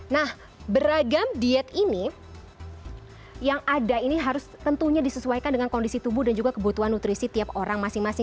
nah beragam diet ini yang ada ini harus tentunya disesuaikan dengan kondisi tubuh dan juga kebutuhan nutrisi tiap orang masing masing